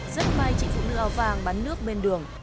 rất may chị phụ nữ ao vàng bán nước bên đường